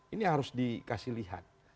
ini harus dikasih lihat